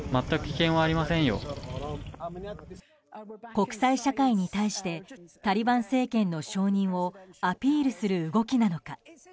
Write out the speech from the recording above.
国際社会に対してタリバン政権の承認をアピールする動きなのか？